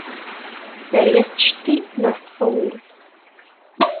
Dderya tettcettil, neɣ tettxewwil.